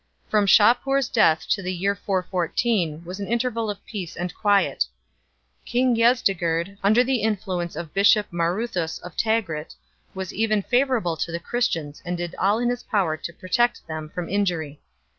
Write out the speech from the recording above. From Shahpoor s death to the year 414 was an interval of peace and quiet ; king Yezdegerd, under the influence of bishop Maruthas of Tagrit, was even favourable to the Christians and did all in his power to protect them from injury.